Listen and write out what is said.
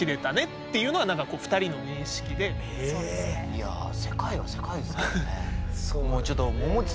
いや世界は世界ですけどね。